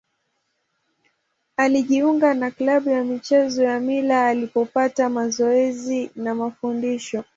Alijiunga na klabu ya michezo ya Mila alipopata mazoezi na mafundisho.